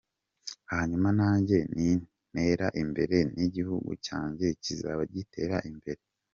Hanyuma nanjye nintera imbere n’igihugu cyanjye kizaba gitera imbere.